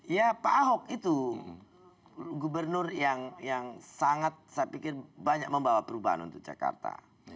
ya pak ahok itu gubernur yang sangat saya pikir banyak membawa perubahan untuk jakarta